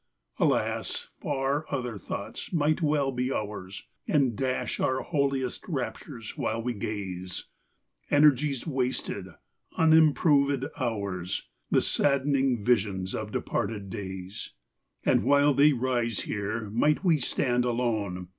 XXXIV. Alas ! far other thoughts might well be ours And dash our holiest raptures while we gaze : Energies wasted, unimproved hours, The saddening visions of departed days : And while they rise here might we stand alone.